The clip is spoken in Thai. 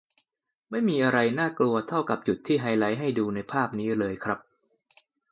ไม่มีอะไรน่ากลัวเท่ากับจุดที่ไฮไลท์ให้ดูในภาพนี้เลยครับ